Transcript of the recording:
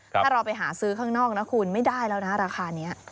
ถ้าเราไปหาซื้อข้างนอกนะคุณไม่ได้แล้วนะราคานี้